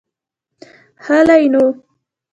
هلئ نو.